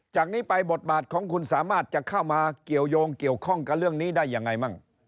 จากนี้ไปบทบาทของคุณสามารถจะเข้ามาเกี่ยวยงเกี่ยวข้องกับเรื่องนี้ได้ยังไงมั่ง